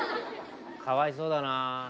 かわいそうだな。